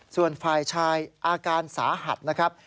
ส่วนฝ่ายชายอาการสาหัสนะครับ